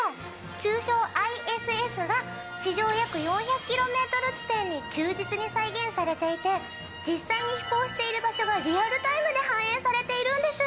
地上約４００キロメートル地点に忠実に再現されていて実際に飛行している場所がリアルタイムで反映されているんです。